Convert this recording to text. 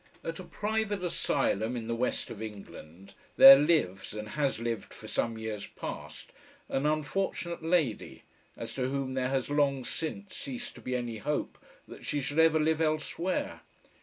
At a private asylum in the west of England there lives, and has lived for some years past, an unfortunate lady, as to whom there has long since ceased to be any hope that she should ever live elsewhere.